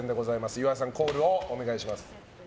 岩井さん、コールをお願いします。